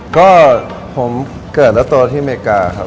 ก็ผมเกิดแล้วโตที่อเมริกาครับ